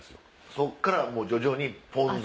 そっから徐々にポン酢。